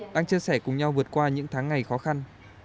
đang chia sẻ cùng nhau vượt qua những tháng ngày khó khăn